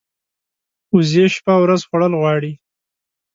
وزې شپه او ورځ خوړل غواړي